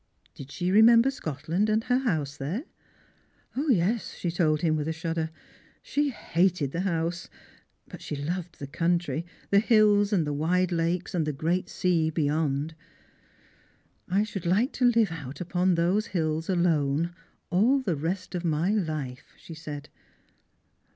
Did she remember Scotland, and her house there P Yes, she told him, with a shudder. She hated the house, but she loved the country, the hills, and the wide lakes, and the great sea beyond. " I should hke to live out upon those hiUs alone, all the rest of my life," she said.